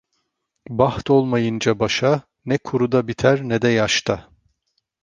Baht olmayınca başa, ne kuruda biter ne de yaşta.